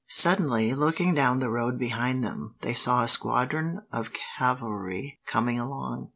Suddenly, looking down the road behind them, they saw a squadron of cavalry coming along.